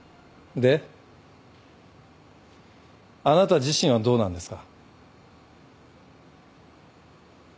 であなた自身はどうなんですか？